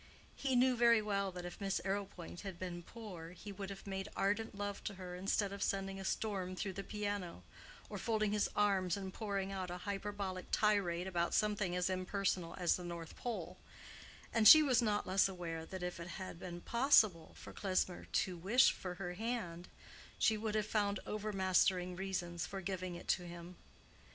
He knew very well that if Miss Arrowpoint had been poor he would have made ardent love to her instead of sending a storm through the piano, or folding his arms and pouring out a hyperbolical tirade about something as impersonal as the north pole; and she was not less aware that if it had been possible for Klesmer to wish for her hand she would have found overmastering reasons for giving it to him.